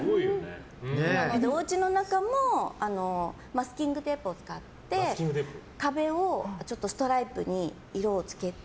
おうちの中もマスキングテープを使って壁をストライプに色を付けて。